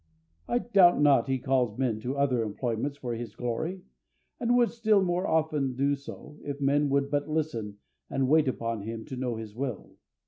I doubt not He calls men to other employments for His glory, and would still more often do so, if men would but listen and wait upon Him to know His will.